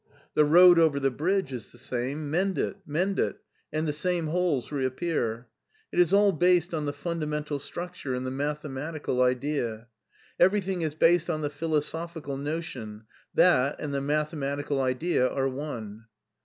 The road over the bridge is the same : mend it, mend it, and the same holes re appear. It is all based on the fundamental structure and the mathematical idea. Everything is based on the philosophical notion: that and the mathematical idea are one."